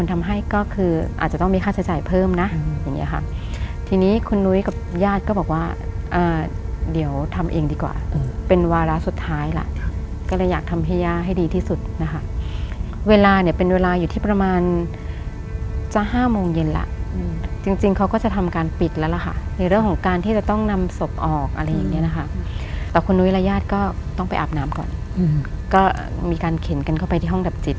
ทำเองดีกว่าอืมเป็นวาระสุดท้ายล่ะอืมก็เลยอยากทำให้ย่าให้ดีที่สุดนะคะเวลาเนี้ยเป็นเวลาอยู่ที่ประมาณจะห้าโมงเย็นล่ะอืมจริงจริงเขาก็จะทำการปิดแล้วล่ะค่ะในเรื่องของการที่จะต้องนำศพออกอะไรอย่างเงี้ยนะคะอืมแต่คุณนุ้ยและญาติก็ต้องไปอาบน้ำก่อนอืมก็มีการเข็นกันเข้าไปที่